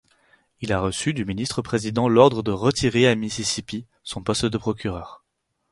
Il a reçu du ministre-président l'ordre de retirer à Mississippi son poste de procureur.